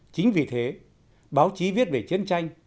chính vì thế báo chí viết về chiến tranh